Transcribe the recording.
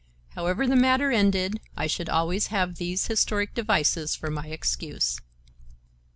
However the matter ended, I should always have these historic devices for my excuse.